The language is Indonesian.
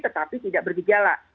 tetapi tidak bergejala